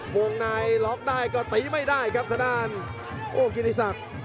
วงนายล็อกได้ก็ตีไม่ได้ครับสดานโอ้กินที่สัก